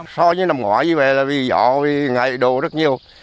so với nằm ngoài như vậy là vì dọ vì ngại đồ rất nhiều